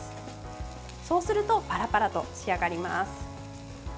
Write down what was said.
そうするとパラパラと仕上がります。